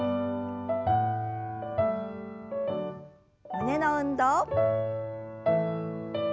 胸の運動。